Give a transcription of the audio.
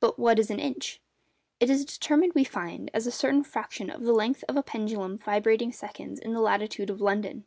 But what is an inch? It is determined, we find, as a certain fraction of the length of a pendulum vibrating seconds in the latitude of London.